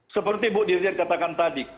seperti bu dirjen katakan tadi